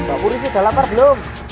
mbak purwisi udah lapar belum